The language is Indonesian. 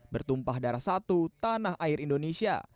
bertumpah darah satu tanah air indonesia